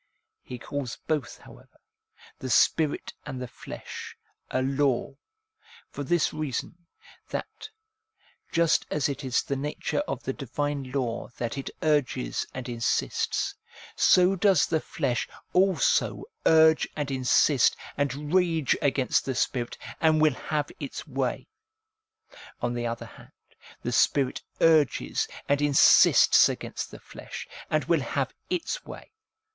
He calls both, however, the spirit and the flesh, a law, for this reason, that, just as it is the nature of the divine law that it urges and insists, so does the flesh also urge and insist and rage against the spirit, and will have its way. On the other hand, the spirit urges and insists against the flesh, and will have its way.